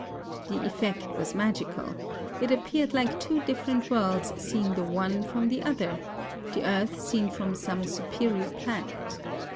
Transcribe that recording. The effect was magical: it appeared like two different worlds seen the one from the other,— the earth seen from some superior planet.